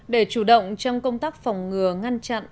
để chủ động trong công tác phòng ngừa ngăn chặn